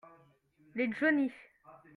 Les johnnies.